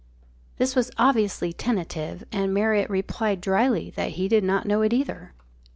This was obviously tentative, and Marriott replied drily that he did not know it either.